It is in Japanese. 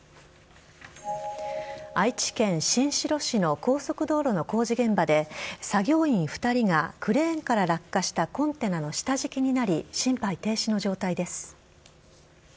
愛知県新城市の高速道路の工事現場で作業員２人がクレーンから落下したコンテナの下敷きになり心肺停止の状態です。